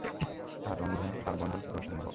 তাঁর বন্ধন কিভাবে সম্ভব?